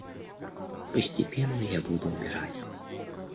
Постепенно я буду умирать.